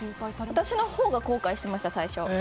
私のほうが後悔しました、最初。